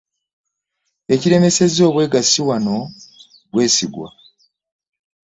Ekiremesezza obwegassi wano bwesigwa.